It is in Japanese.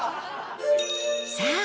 さあ